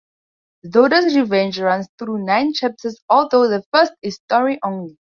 "Zoda's Revenge" runs through nine chapters, although the first is story-only.